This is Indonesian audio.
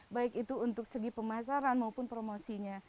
baik itu untuk segi pemasaran maupun promosinya